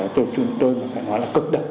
tụi chúng tôi mà phải nói là cực độc